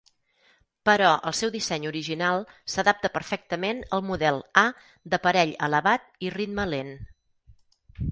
Però el seu disseny original s'adapta perfectament al model A de parell elevat i ritme lent.